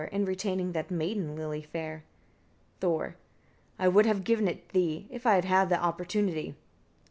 in retaining that maiden lily fair. Thor. 33. I would have given it thee, if I had had the opportunity.